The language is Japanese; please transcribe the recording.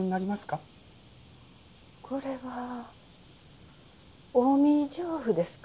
これは近江上布ですか？